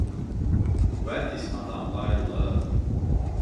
Үәт, исмаһам, байлыҡ!